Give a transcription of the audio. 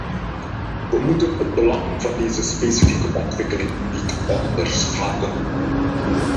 We moeten het belang van deze specifieke ontwikkeling niet onderschatten.